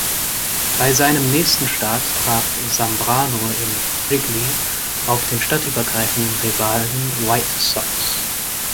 Bei seinem nächsten Start traf Zambrano in Wrigley auf den städteübergreifenden Rivalen White Sox.